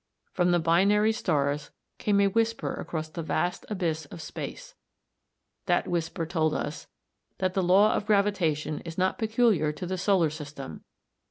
From the binary stars came a whisper across the vast abyss of space. That whisper told us that the law of gravitation is not peculiar to the solar system.